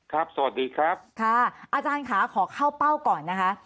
สวัสดีครับค่ะอาจารย์ค่ะขอเข้าเป้าก่อนนะคะ